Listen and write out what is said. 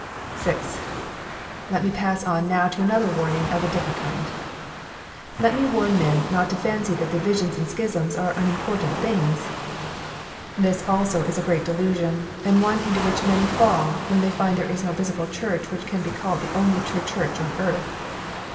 (6) Let me pass on now to another warning of a different kind. Let me warn men not to fancy that divisions and schisms are unimportant things. This also is a great delusion, and one into which many fall, when they find there is no visible Church which can be called the only true Church on earth.